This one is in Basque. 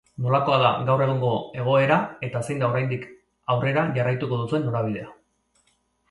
Nolakoa da gaur egungo egoera eta zein da oraindik aurrera jarraituko duzuen norabidea?